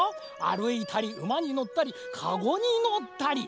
あるいたりうまにのったりかごにのったり。